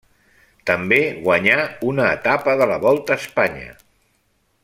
També guanyà una etapa de la Volta a Espanya.